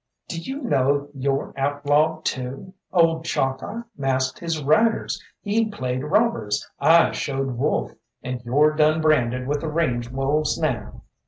"Do you know you're outlawed too? Old Chalkeye masked his riders, he played robbers, I showed wolf, and you're done branded with the range wolves now."